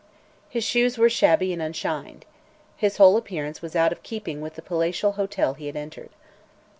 His shoes were shabby and unshined. His whole appearance was out of keeping with the palatial hotel he had entered.